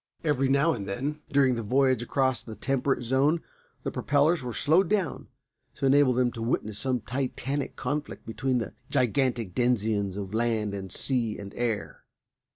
Every now and then during the voyage across the temperate zone the propellers were slowed down to enable them to witness some Titanic conflict between the gigantic denizens of land and sea and air.